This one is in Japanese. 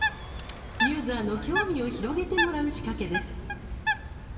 ユーザーの興味を広げてもらう仕掛けです。